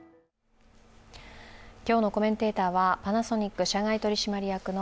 今日のコメンテーターはパナソニック社外取締役の